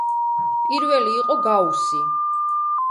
პირველი იყო გაუსი.